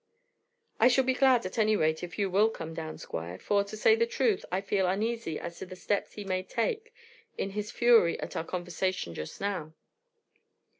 "I shall be glad, at any rate, if you will come down, Squire, for, to say the truth, I feel uneasy as to the steps he may take in his fury at our conversation just now."